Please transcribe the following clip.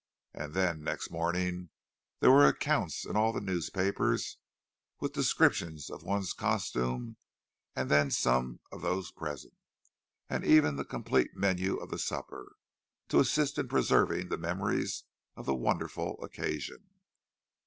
—And then, next morning, there were accounts in all the newspapers, with descriptions of one's costume and then some of those present, and even the complete menus of the supper, to assist in preserving the memories of the wonderful occasion.